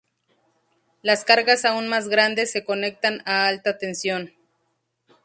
Las cargas aún mas grandes se conectan a alta tensión.